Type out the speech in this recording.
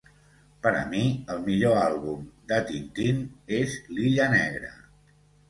Per a mi, el millor àlbum de Tintín és l'illa negra